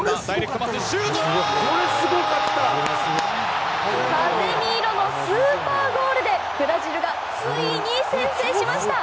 カゼミーロのスーパーゴールでブラジルがついに先制しました。